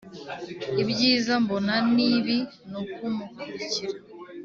Ibyiza mbona nibi nukumukurikira